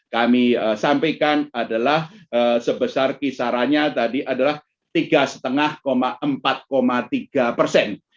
kami sampaikan adalah sebesar kisarannya tadi adalah tiga lima empat tiga persen